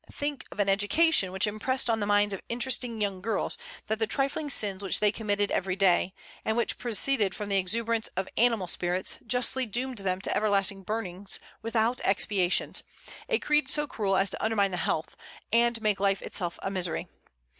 Think of an education which impressed on the minds of interesting young girls that the trifling sins which they committed every day, and which proceeded from the exuberance of animal spirits, justly doomed them to everlasting burnings, without expiations, a creed so cruel as to undermine the health, and make life itself a misery!